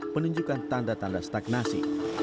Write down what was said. menunjukkan tanda tanda stagnasi